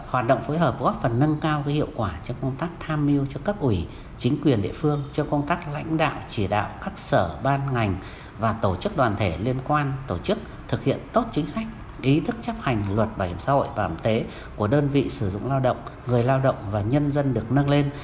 hoạt động phối hợp góp phần nâng cao hiệu quả cho công tác tham mưu cho cấp ủy chính quyền địa phương cho công tác lãnh đạo chỉ đạo các sở ban ngành và tổ chức đoàn thể liên quan tổ chức thực hiện tốt chính sách ý thức chấp hành luật bảo hiểm xã hội bảo hiểm y tế của đơn vị sử dụng lao động người lao động và nhân dân được nâng lên